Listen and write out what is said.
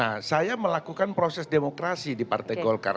nah saya melakukan proses demokrasi di partai golkar